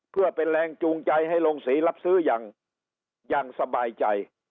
เพื่อเป็นแรงจูงใจให้ลงศรีรับซื้ออย่างสบายใจ